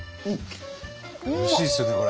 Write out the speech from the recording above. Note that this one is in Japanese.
おいしいですよねこれ。